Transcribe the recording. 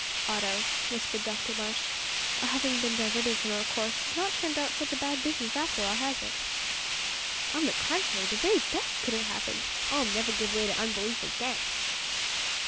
"Otto," whispered Dr Marsh, "our having been diverted from our course has not turned out such a bad business after all, has it?" "On the contrary, the very best that could have happened. I'll never give way to unbelief again!"